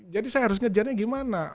jadi saya harus ngejarnya gimana